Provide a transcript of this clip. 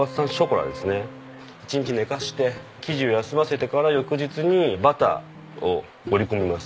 １日寝かせて生地を休ませてから翌日にバターを織り込みます。